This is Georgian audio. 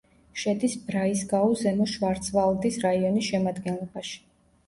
შედის ბრაისგაუ-ზემო შვარცვალდის რაიონის შემადგენლობაში.